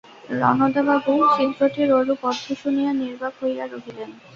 রণদাবাবু চিত্রটির ঐরূপ অর্থ শুনিয়া নির্বাক হইয়া রহিলেন।